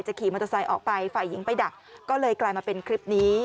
ขี่มอเตอร์ไซค์ออกไปฝ่ายหญิงไปดักก็เลยกลายมาเป็นคลิปนี้